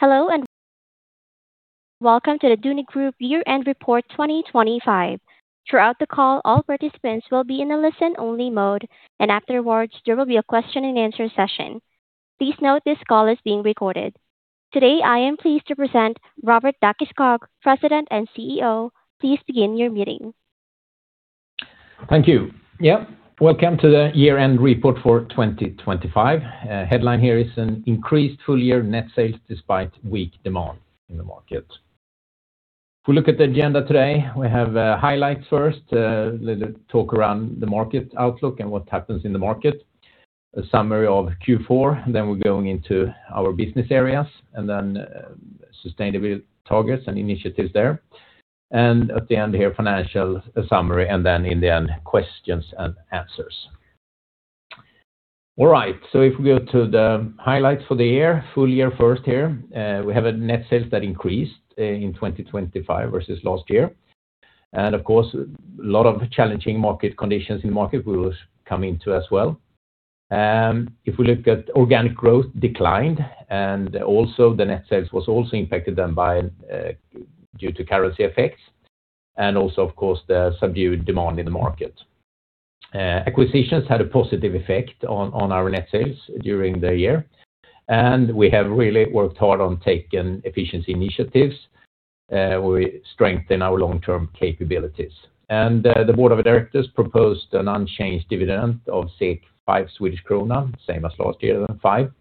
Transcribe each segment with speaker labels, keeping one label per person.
Speaker 1: Hello and welcome to the Duni Group year-end report 2025. Throughout the call, all participants will be in a listen-only mode, and afterwards there will be a question-and-answer session. Please note this call is being recorded. Today I am pleased to present Robert Dackeskog, President and CEO. Please begin your meeting.
Speaker 2: Thank you. Yep, welcome to the year-end report for 2025. Headline here is an increased full-year net sales despite weak demand in the market. If we look at the agenda today, we have highlights first, a little talk around the market outlook and what happens in the market, a summary of Q4, then we're going into our business areas, and then sustainable targets and initiatives there. And at the end here, financial summary, and then in the end, questions and answers. All right, so if we go to the highlights for the year, full year first here, we have a net sales that increased in 2025 versus last year. And of course, a lot of challenging market conditions in the market we will come into as well. If we look at, organic growth declined, and also the net sales was also impacted then due to currency effects, and also of course the subdued demand in the market. Acquisitions had a positive effect on our net sales during the year, and we have really worked hard on taking efficiency initiatives where we strengthen our long-term capabilities. The board of directors proposed an unchanged dividend of circa 5 Swedish krona, same as last year than 5,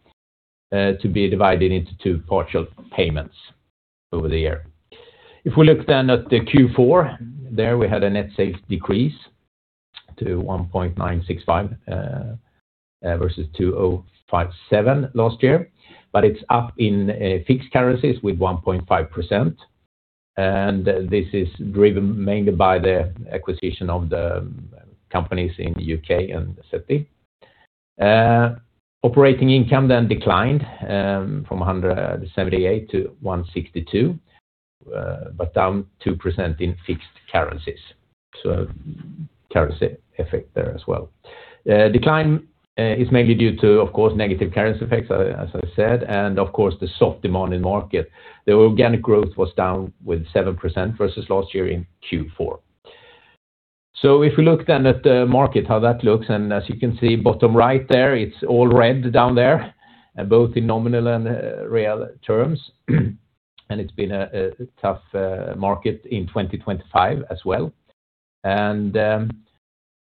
Speaker 2: to be divided into two partial payments over the year. If we look then at the Q4, there we had a net sales decrease to 1.965 versus 2.057 last year, but it's up in fixed currencies with 1.5%. This is driven mainly by the acquisition of the companies in the UK and SETI. Operating income then declined from 178 to 162, but down 2% in fixed currencies, so currency effect there as well. Decline is mainly due to, of course, negative currency effects, as I said, and of course the soft demand in the market. The organic growth was down with 7% versus last year in Q4. So if we look then at the market, how that looks, and as you can see bottom right there, it's all red down there, both in nominal and real terms, and it's been a tough market in 2025 as well.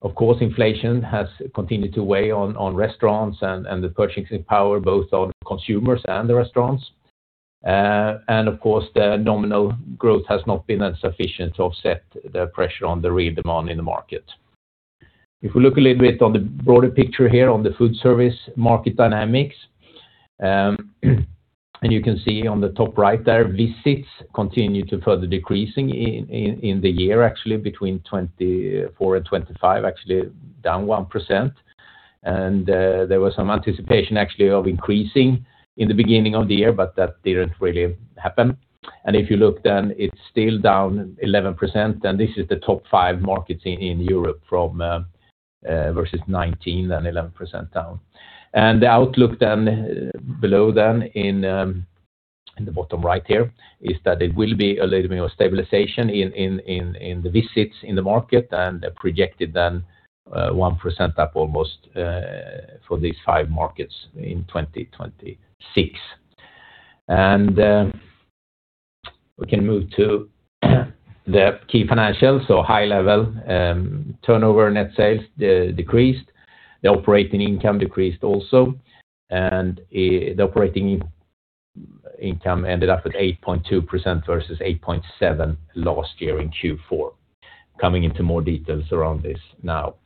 Speaker 2: Of course, inflation has continued to weigh on restaurants and the purchasing power, both on consumers and the restaurants. Of course, the nominal growth has not been as sufficient to offset the pressure on the real demand in the market. If we look a little bit on the broader picture here on the food service market dynamics, and you can see on the top right there, visits continue to further decreasing in the year, actually, between 2024 and 2025, actually down 1%. There was some anticipation actually of increasing in the beginning of the year, but that didn't really happen. If you look then, it's still down 11%, and this is the top five markets in Europe versus 2019, then 11% down. The outlook then below then in the bottom right here is that it will be a little bit more stabilization in the visits in the market and projected then 1% up almost for these five markets in 2026. We can move to the key financials, so high-level turnover net sales decreased, the operating income decreased also, and the operating income ended up at 8.2% versus 8.7% last year in Q4. Coming into more details around this now.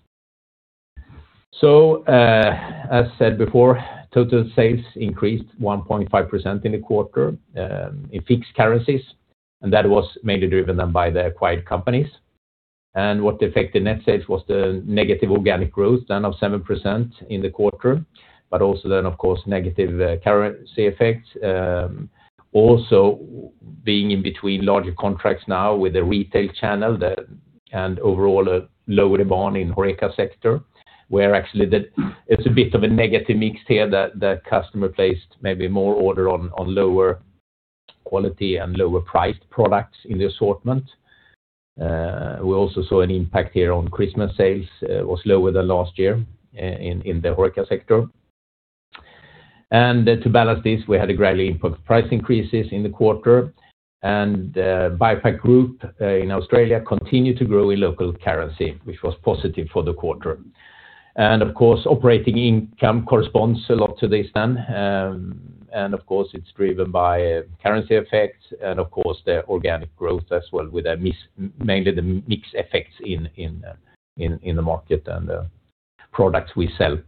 Speaker 2: So as said before, total sales increased 1.5% in the quarter in fixed currencies, and that was mainly driven then by the acquired companies. And what affected net sales was the negative organic growth then of 7% in the quarter, but also then, of course, negative currency effects, also being in between larger contracts now with the retail channel and overall a lower demand in the HoReCa sector, where actually it's a bit of a negative mix here that customer placed maybe more order on lower quality and lower-priced products in the assortment. We also saw an impact here on Christmas sales, was lower than last year in the HoReCa sector. To balance this, we had a gradual impact of price increases in the quarter, and BioPak Group in Australia continued to grow in local currency, which was positive for the quarter. Of course, operating income corresponds a lot to this then, and of course, it's driven by currency effects and of course the organic growth as well with mainly the mix effects in the market and the products we sell.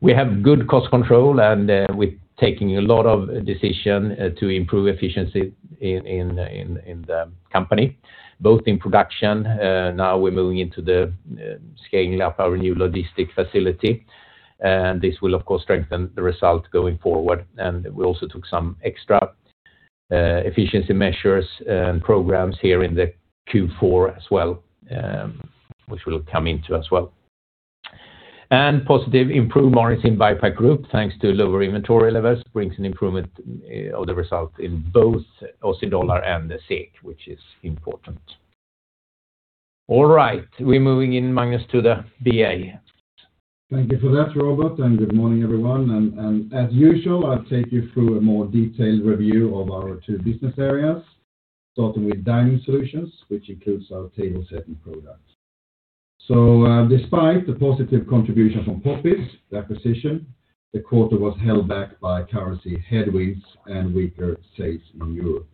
Speaker 2: We have good cost control, and we're taking a lot of decision to improve efficiency in the company, both in production. Now we're moving into the scaling up our new logistics facility, and this will of course strengthen the result going forward. We also took some extra efficiency measures and programs here in the Q4 as well, which we'll come into as well. Positive improved margins in BioPak Group thanks to lower inventory levels brings an improvement of the result in both Aussie dollar and the SEK, which is important. All right, we're moving in, Magnus, to the BA.
Speaker 3: Thank you for that, Robert, and good morning, everyone. As usual, I'll take you through a more detailed review of our two business areas, starting with dining solutions, which includes our table setting products. Despite the positive contribution from Poppies, the acquisition, the quarter was held back by currency headwinds and weaker sales in Europe,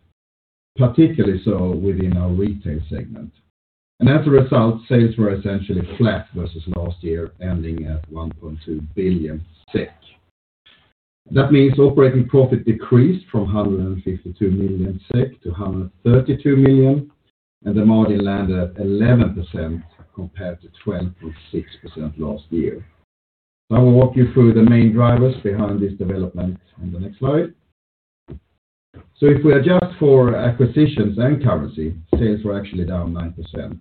Speaker 3: particularly so within our retail segment. As a result, sales were essentially flat versus last year, ending at 1.2 billion SEK. That means operating profit decreased from 152 million SEK to 132 million, and the margin landed at 11% compared to 12.6% last year. Now we'll walk you through the main drivers behind this development in the next slide. If we adjust for acquisitions and currency, sales were actually down 9%,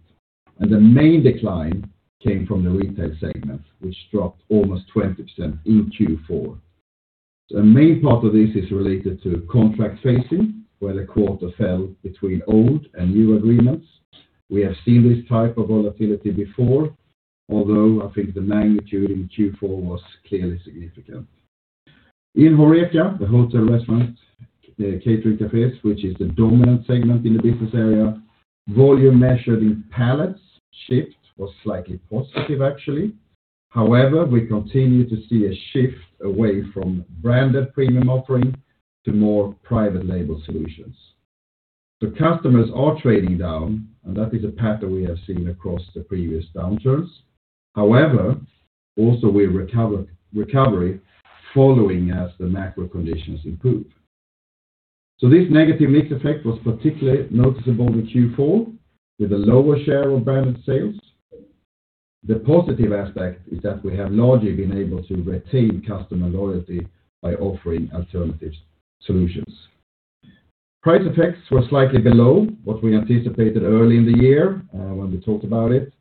Speaker 3: and the main decline came from the retail segment, which dropped almost 20% in Q4. A main part of this is related to contract phasing, where the quarter fell between old and new agreements. We have seen this type of volatility before, although I think the magnitude in Q4 was clearly significant. In HoReCa, the hotel, restaurant, catering, cafés, which is the dominant segment in the business area, volume measured in pallets shift was slightly positive, actually. However, we continue to see a shift away from branded premium offering to more private label solutions. So customers are trading down, and that is a pattern we have seen across the previous downturns. However, also we're recovery following as the macro conditions improve. So this negative mix effect was particularly noticeable in Q4 with a lower share of branded sales. The positive aspect is that we have largely been able to retain customer loyalty by offering alternative solutions. Price effects were slightly below what we anticipated early in the year when we talked about it,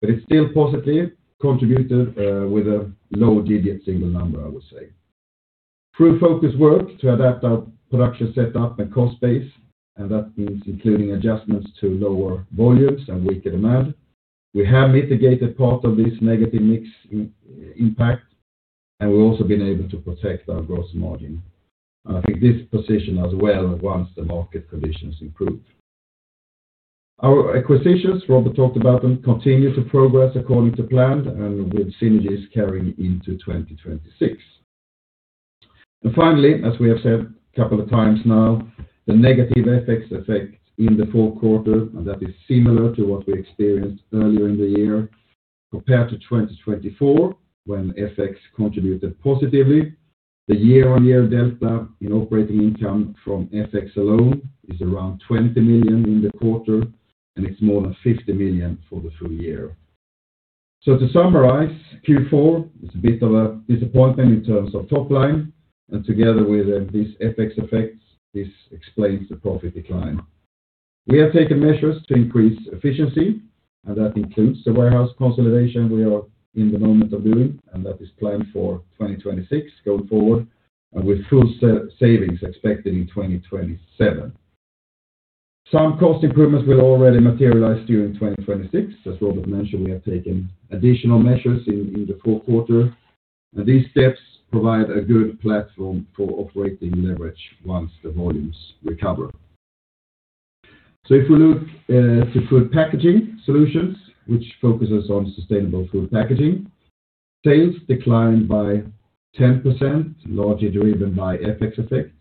Speaker 3: but it still positively contributed with a low-digit single number, I would say. True focus worked to adapt our production setup and cost base, and that means including adjustments to lower volumes and weaker demand. We have mitigated part of this negative mix impact, and we've also been able to protect our gross margin. I think this position as well once the market conditions improve. Our acquisitions, Robert talked about them, continue to progress according to plan, and with synergies carrying into 2026. Finally, as we have said a couple of times now, the negative FX effect in the Q4, and that is similar to what we experienced earlier in the year compared to 2024 when FX contributed positively. The year-on-year delta in operating income from FX alone is around 20 million in the quarter, and it's more than 50 million for the full year. So to summarize, Q4 is a bit of a disappointment in terms of topline, and together with these FX effects, this explains the profit decline. We have taken measures to increase efficiency, and that includes the warehouse consolidation we are in the moment of doing, and that is planned for 2026 going forward, and with full savings expected in 2027. Some cost improvements will already materialize during 2026. As Robert mentioned, we have taken additional measures in the Q4, and these steps provide a good platform for operating leverage once the volumes recover. So if we look to food packaging solutions, which focuses on sustainable food packaging, sales declined by 10%, largely driven by FX effects,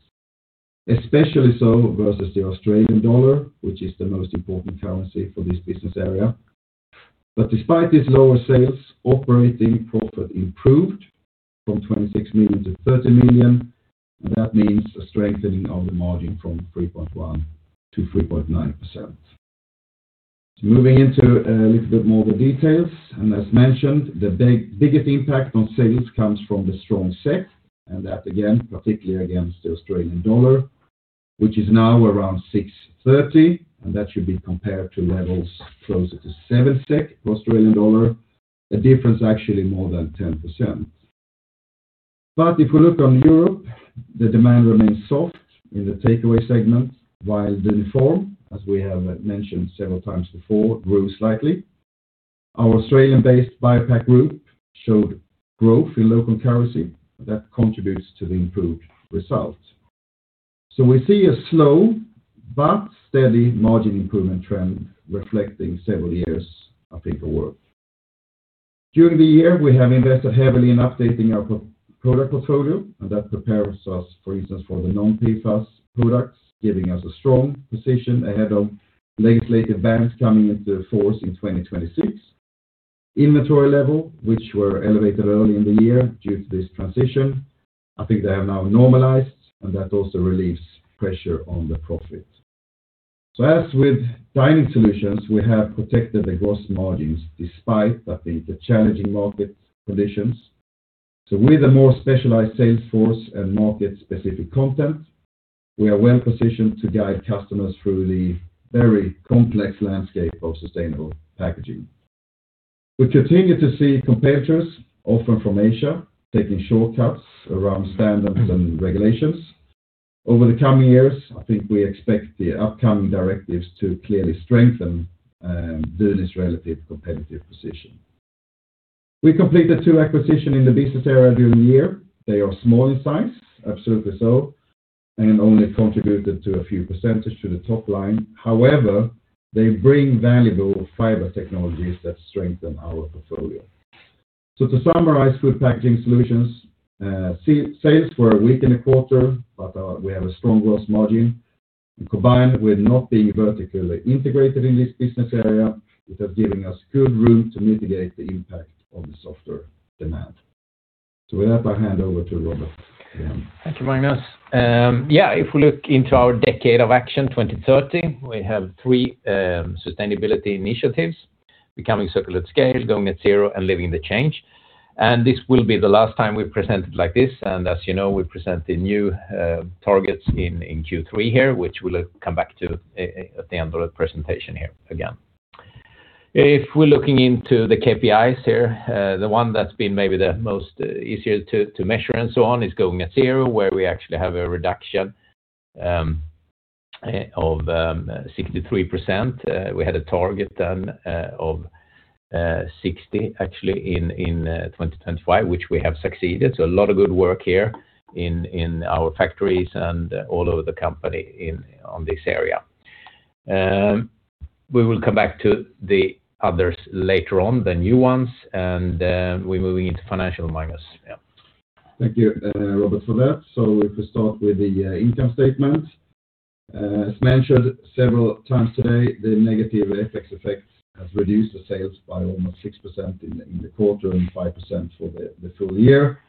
Speaker 3: especially so versus the Australian dollar, which is the most important currency for this business area. But despite these lower sales, operating profit improved from 26 million to 30 million, and that means a strengthening of the margin from 3.1% to 3.9%. Moving into a little bit more of the details, and as mentioned, the biggest impact on sales comes from the strong SEK, and that again, particularly against the Australian dollar, which is now around 6.30, and that should be compared to levels closer to 7 SEK per Australian dollar, a difference actually more than 10%. But if we look on Europe, the demand remains soft in the takeaway segment, while the Duniform, as we have mentioned several times before, grew slightly. Our Australian-based BioPak Group showed growth in local currency, and that contributes to the improved result. So we see a slow but steady margin improvement trend reflecting several years, I think, of work. During the year, we have invested heavily in updating our product portfolio, and that prepares us, for instance, for the non-PFAS products, giving us a strong position ahead of legislative bans coming into force in 2026. Inventory level, which were elevated early in the year due to this transition, I think they have now normalized, and that also relieves pressure on the profit. So as with dining solutions, we have protected the gross margins despite, I think, the challenging market conditions. So with a more specialized sales force and market-specific content, we are well positioned to guide customers through the very complex landscape of sustainable packaging. We continue to see competitors, often from Asia, taking shortcuts around standards and regulations. Over the coming years, I think we expect the upcoming directives to clearly strengthen Duni's relative competitive position. We completed two acquisitions in the business area during the year. They are small in size, absolutely so, and only contributed a few% to the topline. However, they bring valuable fiber technologies that strengthen our portfolio. So to summarize food packaging solutions, sales were weak in the quarter, but we have a strong gross margin. Combined with not being vertically integrated in this business area, it has given us good room to mitigate the impact on the softer demand. So with that, I hand over to Robert again.
Speaker 2: Thank you, Magnus. Yeah, if we look into our Decade of Action, 2030, we have three sustainability initiatives: Becoming Circular at Scale, Going Net Zero, and Living the Change. And this will be the last time we present it like this. And as you know, we present the new targets in Q3 here, which we'll come back to at the end of the presentation here again. If we're looking into the KPIs here, the one that's been maybe the most easier to measure and so on is Going Net Zero, where we actually have a reduction of 63%. We had a target then of 60%, actually, in 2025, which we have succeeded. So a lot of good work here in our factories and all over the company on this area. We will come back to the others later on, the new ones, and we're moving into financial, Magnus. Yeah.
Speaker 3: Thank you, Robert, for that. So if we start with the income statement, as mentioned several times today, the negative FX effect has reduced the sales by almost 6% in the quarter and 5% for the full year.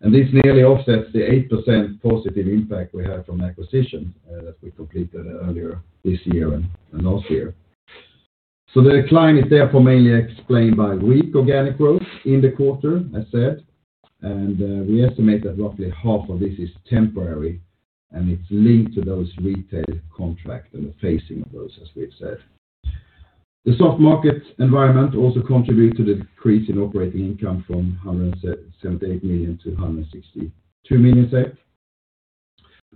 Speaker 3: And this nearly offsets the 8% positive impact we had from acquisitions that we completed earlier this year and last year. So the decline is therefore mainly explained by weak organic growth in the quarter, as said. And we estimate that roughly half of this is temporary, and it's linked to those retail contract and the phasing of those, as we've said. The soft market environment also contributed to the decrease in operating income from 178 million to 162 million.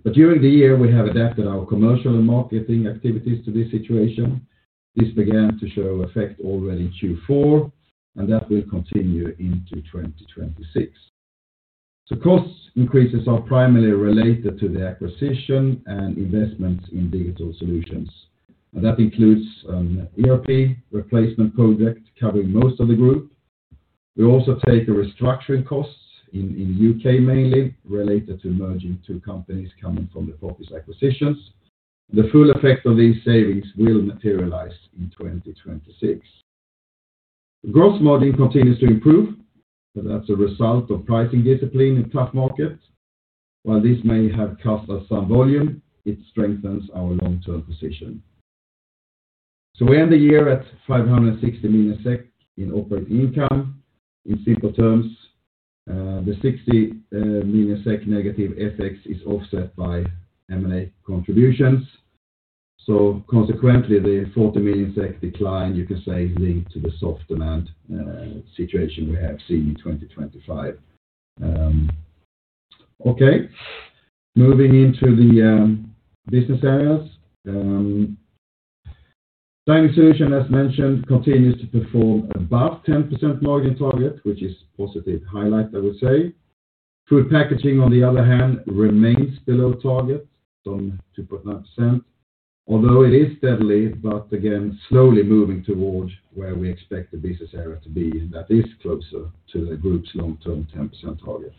Speaker 3: But during the year, we have adapted our commercial and marketing activities to this situation. This began to show effect already in Q4, and that will continue into 2026. So cost increases are primarily related to the acquisition and investments in digital solutions. And that includes an ERP replacement project covering most of the group. We also take a restructuring cost in the UK mainly, related to merging two companies coming from the Poppies acquisitions. The full effect of these savings will materialize in 2026. Gross margin continues to improve, but that's a result of pricing discipline in tough markets. While this may have cost us some volume, it strengthens our long-term position. So we end the year at 560 million SEK in operating income. In simple terms, the 60 million SEK negative FX is offset by M&A contributions. So consequently, the 40 million SEK decline, you can say, linked to the soft demand situation we have seen in 2025. Okay, moving into the business areas. Dining solutions, as mentioned, continues to perform above 10% margin target, which is a positive highlight, I would say. Food packaging, on the other hand, remains below target, some 2.9%, although it is steadily, but again, slowly moving towards where we expect the business area to be, and that is closer to the group's long-term 10% target.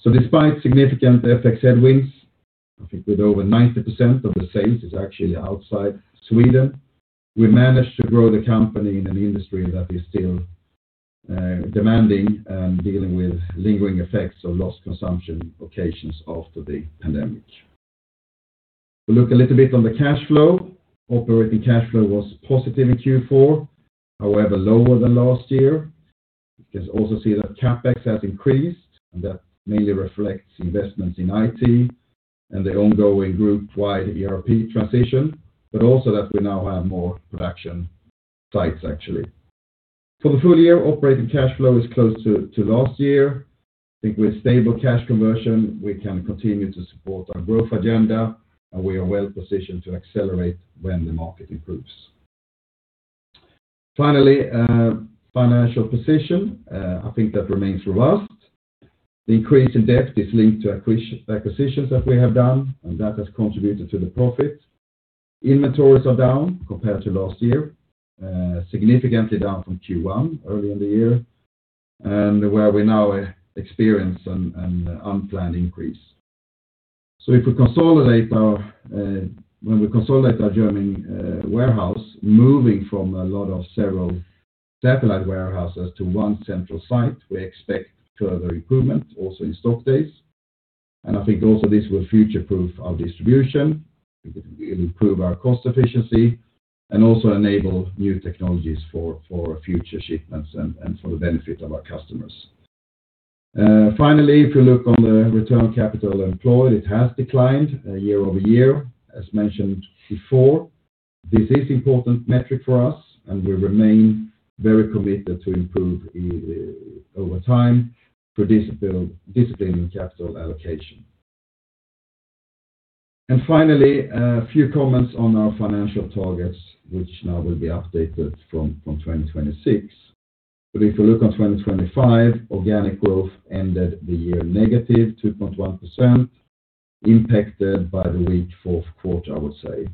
Speaker 3: So despite significant FX headwinds, I think with over 90% of the sales is actually outside Sweden, we managed to grow the company in an industry that is still demanding and dealing with lingering effects of lost consumption occasions after the pandemic. We look a little bit on the cash flow. Operating cash flow was positive in Q4, however, lower than last year. You can also see that CapEx has increased, and that mainly reflects investments in IT and the ongoing group-wide ERP transition, but also that we now have more production sites, actually. For the full year, operating cash flow is close to last year. I think with stable cash conversion, we can continue to support our growth agenda, and we are well positioned to accelerate when the market improves. Finally, financial position, I think that remains robust. The increase in debt is linked to acquisitions that we have done, and that has contributed to the profit. Inventories are down compared to last year, significantly down from Q1 early in the year, and where we now experience an unplanned increase. So if we consolidate our German warehouse, moving from a lot of several satellite warehouses to one central site, we expect further improvement, also in stock days. I think also this will future-proof our distribution. It will improve our cost efficiency and also enable new technologies for future shipments and for the benefit of our customers. Finally, if you look on the return on capital employed, it has declined year-over-year. As mentioned before, this is an important metric for us, and we remain very committed to improve over time for disciplined capital allocation. Finally, a few comments on our financial targets, which now will be updated from 2026. If we look on 2025, organic growth ended the year negative -2.1%, impacted by the weak Q4, I would say.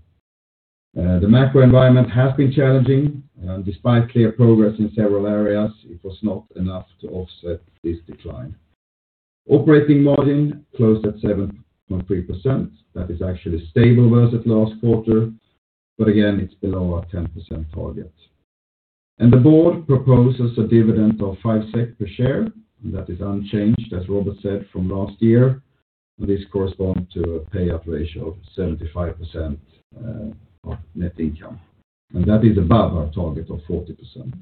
Speaker 3: The macro environment has been challenging, and despite clear progress in several areas, it was not enough to offset this decline. Operating margin closed at 7.3%. That is actually stable versus last quarter, but again, it's below our 10% target. The board proposes a dividend of 5 SEK per share, and that is unchanged, as Robert said, from last year. This corresponds to a payout ratio of 75% of net income. That is above our target of 40%.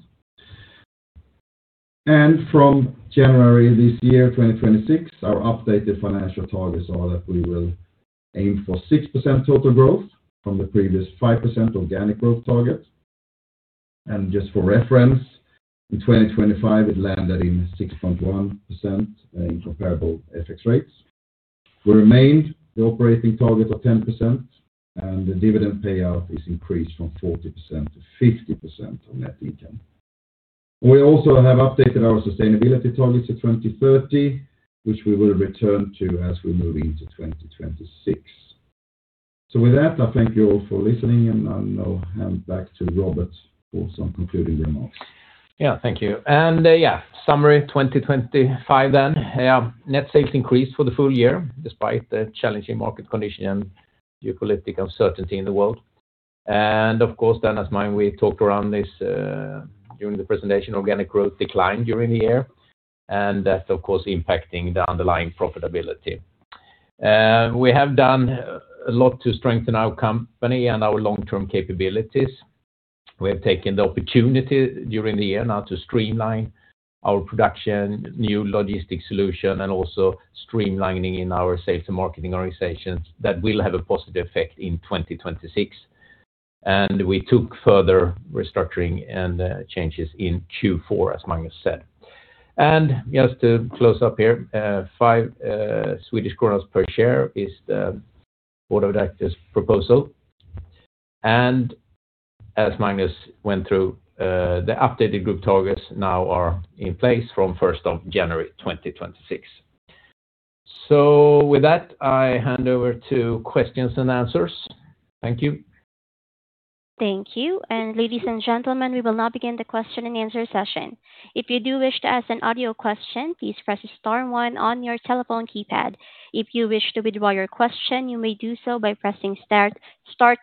Speaker 3: From January this year, 2026, our updated financial targets are that we will aim for 6% total growth from the previous 5% organic growth target. Just for reference, in 2025, it landed in 6.1% in comparable FX rates. We remained the operating target of 10%, and the dividend payout is increased from 40%-50% of net income. We also have updated our sustainability targets to 2030, which we will return to as we move into 2026. So with that, I thank you all for listening, and I'll hand back to Robert for some concluding remarks.
Speaker 2: Yeah, thank you. Yeah, summary 2025 then. Yeah, net sales increased for the full year despite the challenging market condition and geopolitical uncertainty in the world. Of course, then, as I mentioned, we talked around this during the presentation. Organic growth declined during the year, and that's, of course, impacting the underlying profitability. We have done a lot to strengthen our company and our long-term capabilities. We have taken the opportunity during the year now to streamline our production, new logistics solution, and also streamlining in our sales and marketing organizations that will have a positive effect in 2026. We took further restructuring and changes in Q4, as Magnus said. Just to close up here, 5 per share is the board of directors' proposal. As Magnus went through, the updated group targets now are in place from 1st of January, 2026. With that, I hand over to questions and answers. Thank you.
Speaker 1: Thank you. Ladies and gentlemen, we will now begin the question and answer session. If you do wish to ask an audio question, please press star 1 on your telephone keypad. If you wish to withdraw your question, you may do so by pressing star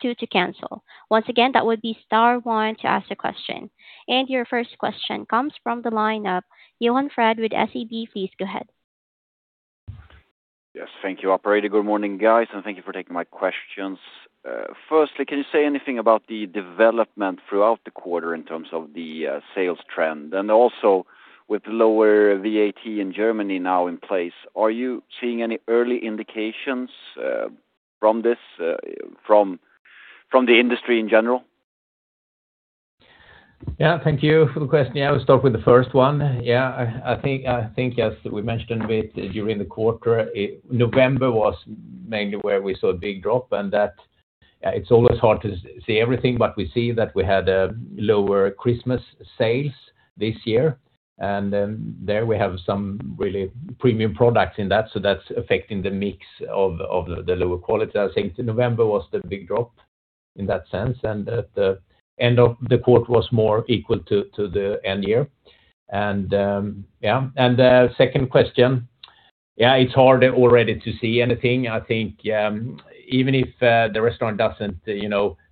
Speaker 1: 2 to cancel. Once again, that would be star 1 to ask a question. Your first question comes from the lineup. Johan Fred with SEB, please go ahead.
Speaker 4: Yes, thank you. Operator, good morning, guys, and thank you for taking my questions. Firstly, can you say anything about the development throughout the quarter in terms of the sales trend? And also, with the lower VAT in Germany now in place, are you seeing any early indications from this, from the industry in general?
Speaker 2: Yeah, thank you for the question. Yeah, I'll start with the first one. Yeah, I think, as we mentioned a bit during the quarter, November was mainly where we saw a big drop, and that, yeah, it's always hard to see everything, but we see that we had lower Christmas sales this year. And there we have some really premium products in that, so that's affecting the mix of the lower quality. I think November was the big drop in that sense, and at the end of the quarter was more equal to the end year. Yeah, and second question, yeah, it's hard already to see anything. I think even if the restaurant doesn't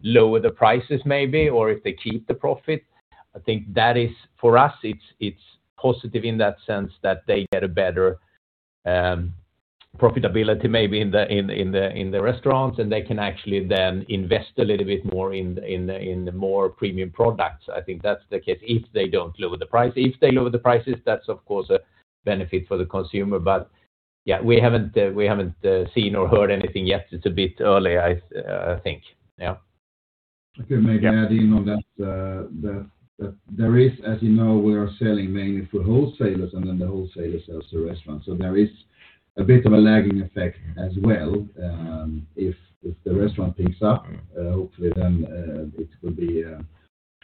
Speaker 2: lower the prices maybe, or if they keep the profit, I think that is for us, it's positive in that sense that they get a better profitability maybe in the restaurants, and they can actually then invest a little bit more in more premium products. I think that's the case if they don't lower the price. If they lower the prices, that's, of course, a benefit for the consumer. But yeah, we haven't seen or heard anything yet. It's a bit early, I think. Yeah.
Speaker 3: I could maybe add in on that. There is, as you know, we are selling mainly for wholesalers, and then the wholesaler sells to restaurants. So there is a bit of a lagging effect as well. If the restaurant picks up, hopefully, then it could be a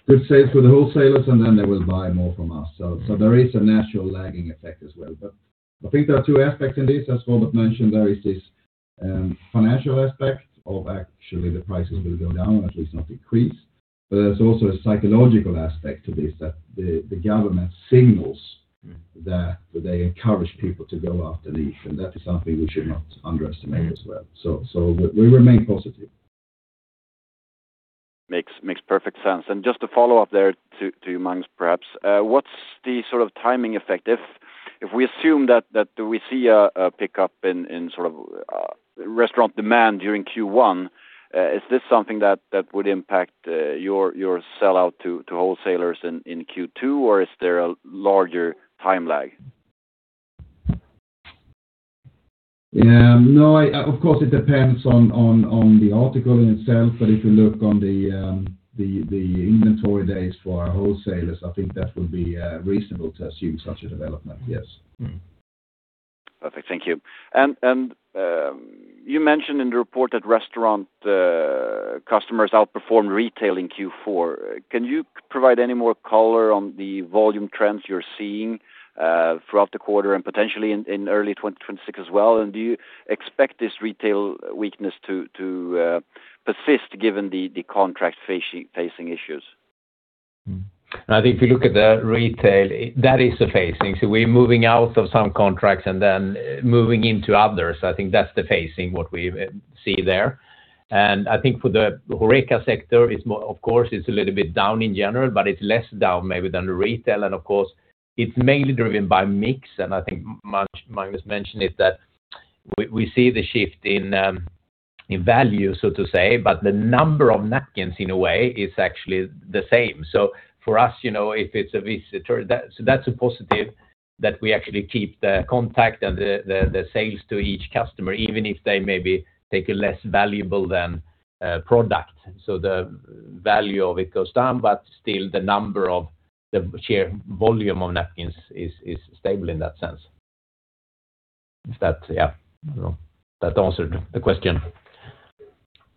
Speaker 3: good sale for the wholesalers, and then they will buy more from us. So there is a natural lagging effect as well. But I think there are two aspects in this. As Robert mentioned, there is this financial aspect of actually the prices will go down, at least not increase. But there's also a psychological aspect to this that the government signals that they encourage people to go after these, and that is something we should not underestimate as well. So we remain positive.
Speaker 4: Makes perfect sense. Just to follow up there to you, Magnus, perhaps, what's the sort of timing effect? If we assume that we see a pickup in sort of restaurant demand during Q1, is this something that would impact your sellout to wholesalers in Q2, or is there a larger time lag?
Speaker 3: Yeah, no, of course, it depends on the article in itself. But if you look on the inventory days for our wholesalers, I think that would be reasonable to assume such a development. Yes.
Speaker 4: Perfect. Thank you. And you mentioned in the report that restaurant customers outperformed retail in Q4. Can you provide any more color on the volume trends you're seeing throughout the quarter and potentially in early 2026 as well? And do you expect this retail weakness to persist given the contract-facing issues?
Speaker 2: I think if you look at the retail, that is the facing. So we're moving out of some contracts and then moving into others. I think that's the facing, what we see there. I think for the Horeca sector, of course, it's a little bit down in general, but it's less down maybe than the retail. And of course, it's mainly driven by mix. I think Magnus mentioned it, that we see the shift in value, so to say, but the number of napkins in a way is actually the same. So for us, if it's a visitor, so that's a positive that we actually keep the contact and the sales to each customer, even if they maybe take a less valuable product. So the value of it goes down, but still the number of the sheer volume of napkins is stable in that sense. If that, yeah, I don't know. That answered the question.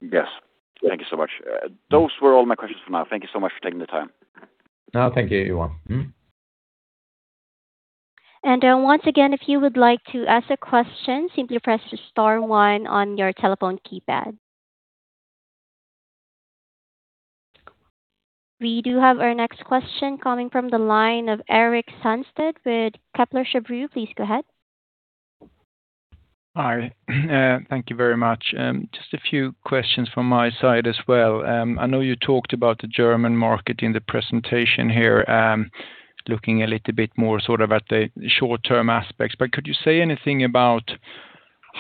Speaker 4: Yes. Thank you so much. Those were all my questions for now. Thank you so much for taking the time.
Speaker 2: No, thank you, Johan.
Speaker 1: Once again, if you would like to ask a question, simply press star 1 on your telephone keypad. We do have our next question coming from the line of Erik Sandstedt with Kepler Cheuvreux. Please go ahead.
Speaker 5: Hi. Thank you very much. Just a few questions from my side as well. I know you talked about the German market in the presentation here, looking a little bit more sort of at the short-term aspects. But could you say anything about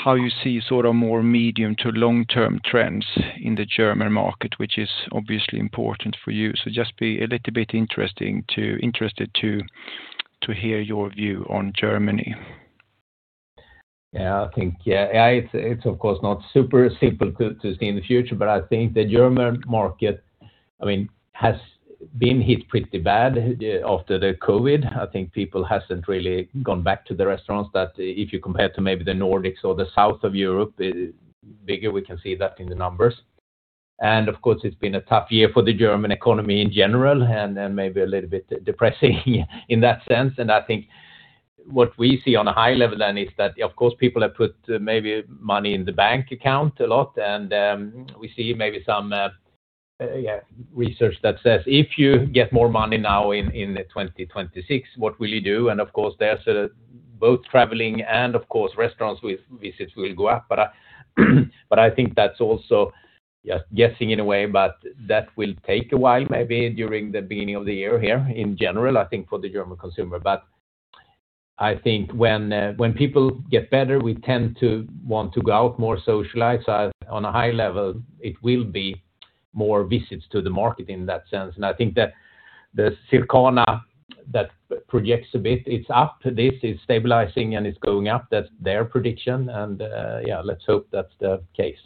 Speaker 5: how you see sort of more medium to long-term trends in the German market, which is obviously important for you? So just be a little bit interested to hear your view on Germany.
Speaker 2: Yeah, I think, yeah, it's, of course, not super simple to see in the future, but I think the German market, I mean, has been hit pretty bad after the COVID. I think people haven't really gone back to the restaurants. That if you compare to maybe the Nordics or the south of Europe, bigger, we can see that in the numbers. And of course, it's been a tough year for the German economy in general and maybe a little bit depressing in that sense. And I think what we see on a high level then is that, of course, people have put maybe money in the bank account a lot, and we see maybe some, yeah, research that says if you get more money now in 2026, what will you do? And of course, there's both traveling and, of course, restaurants visits will go up. But I think that's also just guessing in a way, but that will take a while maybe during the beginning of the year here in general, I think, for the German consumer. But I think when people get better, we tend to want to go out, more socialize. So on a high level, it will be more visits to the market in that sense. And I think that the Circana that projects a bit, it's up. This is stabilizing and it's going up. That's their prediction. And yeah, let's hope that's the case.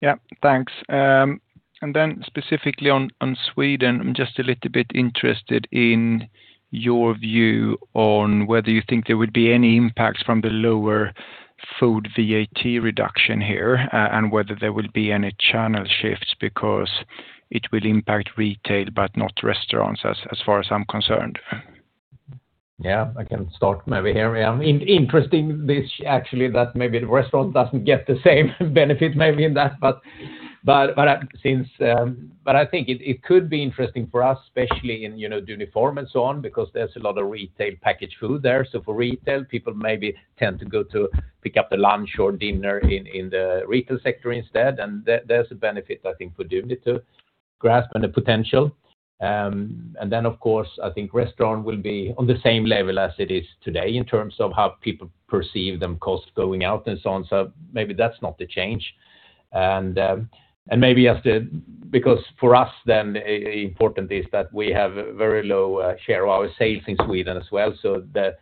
Speaker 5: Yeah, thanks. And then specifically on Sweden, I'm just a little bit interested in your view on whether you think there would be any impacts from the lower food VAT reduction here and whether there will be any channel shifts because it will impact retail but not restaurants as far as I'm concerned?
Speaker 2: Yeah, I can start maybe here. Interesting, actually, that maybe the restaurant doesn't get the same benefit maybe in that. But I think it could be interesting for us, especially in Duniform and so on, because there's a lot of retail packaged food there. So for retail, people maybe tend to go to pick up the lunch or dinner in the retail sector instead. And there's a benefit, I think, for Duni to grasp and the potential. And then, of course, I think restaurant will be on the same level as it is today in terms of how people perceive the cost going out and so on. So maybe that's not the change. And maybe just because for us then, important is that we have a very low share of our sales in Sweden as well. So, I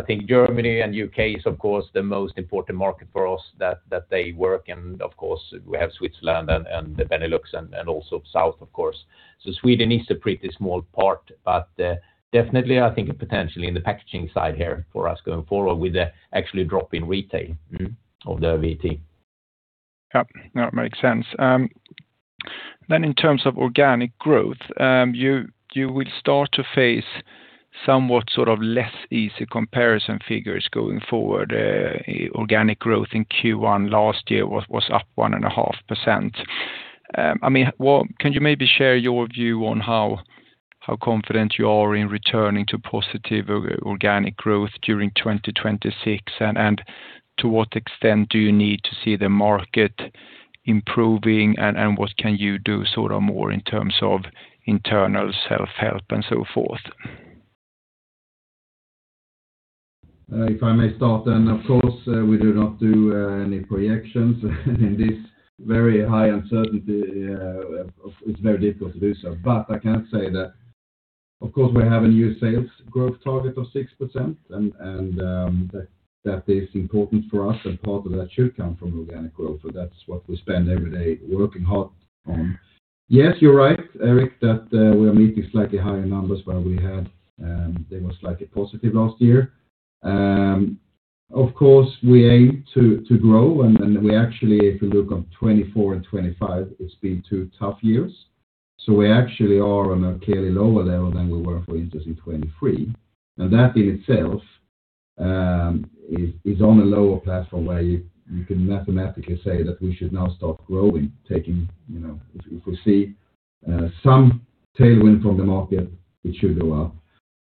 Speaker 2: think Germany and UK is, of course, the most important market for us that they work. And, of course, we have Switzerland and the Benelux and also south, of course. So, Sweden is a pretty small part, but definitely, I think potentially in the packaging side here for us going forward with the actually drop in retail of the VAT.
Speaker 5: Yeah, that makes sense. Then in terms of organic growth, you will start to face somewhat sort of less easy comparison figures going forward. Organic growth in Q1 last year was up 1.5%. I mean, can you maybe share your view on how confident you are in returning to positive organic growth during 2026, and to what extent do you need to see the market improving, and what can you do sort of more in terms of internal self-help and so forth?
Speaker 3: If I may start then, of course, we do not do any projections. In this very high uncertainty, it's very difficult to do so. But I can say that, of course, we have a new sales growth target of 6%, and that is important for us, and part of that should come from organic growth. So that's what we spend every day working hard on. Yes, you're right, Eric, that we are meeting slightly higher numbers where we had, they were slightly positive last year. Of course, we aim to grow, and then we actually, if you look on 2024 and 2025, it's been two tough years. So we actually are on a clearly lower level than we were, for instance, in 2023. And that in itself is on a lower platform where you can mathematically say that we should now start growing. If we see some tailwind from the market, it should go up.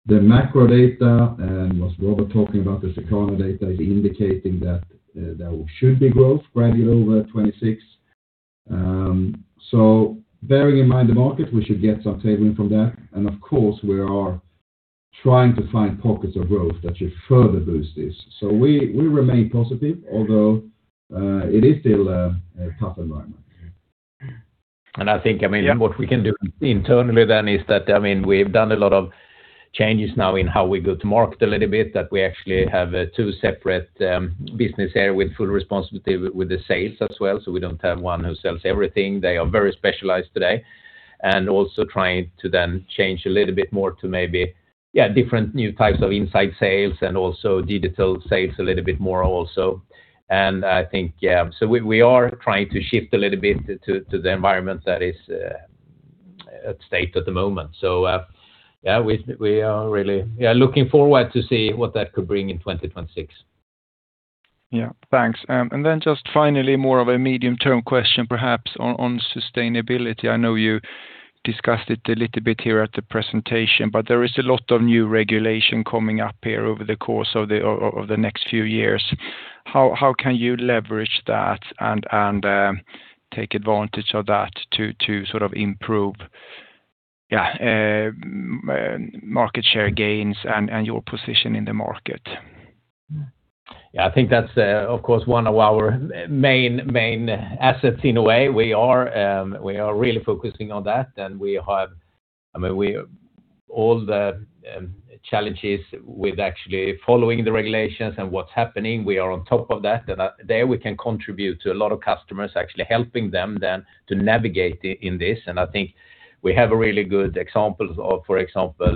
Speaker 3: The macro data, and was Robert talking about the Circana data, is indicating that there should be growth gradually over 2026. So bearing in mind the market, we should get some tailwind from that. And of course, we are trying to find pockets of growth that should further boost this. So we remain positive, although it is still a tough environment.
Speaker 2: I think, I mean, what we can do internally then is that, I mean, we've done a lot of changes now in how we go to market a little bit, that we actually have two separate business areas with full responsibility with the sales as well. So we don't have one who sells everything. They are very specialized today. And also trying to then change a little bit more to maybe, yeah, different new types of inside sales and also digital sales a little bit more also. And I think, yeah, so we are trying to shift a little bit to the environment that is at stake at the moment. So yeah, we are really, yeah, looking forward to see what that could bring in 2026.
Speaker 5: Yeah, thanks. Then just finally, more of a medium-term question, perhaps, on sustainability. I know you discussed it a little bit here at the presentation, but there is a lot of new regulation coming up here over the course of the next few years. How can you leverage that and take advantage of that to sort of improve, yeah, market share gains and your position in the market?
Speaker 2: Yeah, I think that's, of course, one of our main assets in a way. We are really focusing on that. And we have, I mean, all the challenges with actually following the regulations and what's happening, we are on top of that. And there we can contribute to a lot of customers, actually helping them then to navigate in this. And I think we have really good examples of, for example,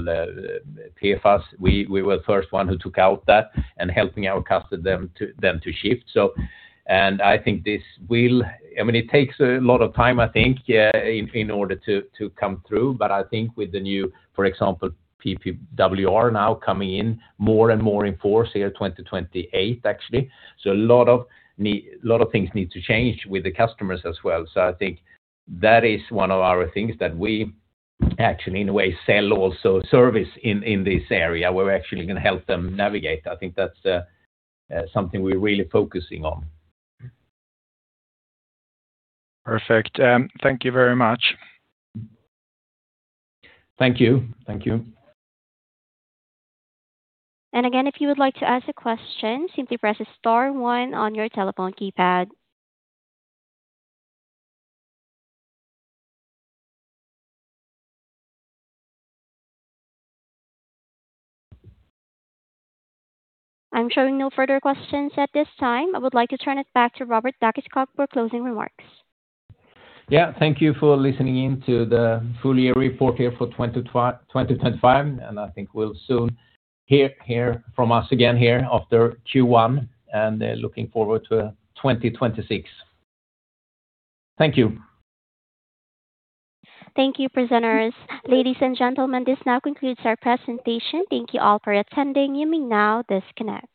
Speaker 2: PFAS. We were the first one who took out that and helping our customers then to shift. And I think this will, I mean, it takes a lot of time, I think, in order to come through. But I think with the new, for example, PPWR now coming in more and more in force here in 2028, actually. So a lot of things need to change with the customers as well. I think that is one of our things that we actually, in a way, sell also service in this area where we're actually going to help them navigate. I think that's something we're really focusing on.
Speaker 5: Perfect. Thank you very much.
Speaker 2: Thank you. Thank you.
Speaker 1: And again, if you would like to ask a question, simply press star 1 on your telephone keypad. I'm showing no further questions at this time. I would like to turn it back to Robert Dackeskog for closing remarks.
Speaker 2: Yeah, thank you for listening in to the full year report here for 2025. I think we'll soon hear from us again here after Q1 and looking forward to 2026. Thank you.
Speaker 1: Thank you, presenters. Ladies and gentlemen, this now concludes our presentation. Thank you all for attending. You may now disconnect.